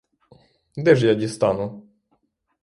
Де ж я дістану!